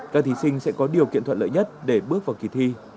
các thí sinh sẽ có điều kiện thuận lợi nhất để bước vào kỳ thi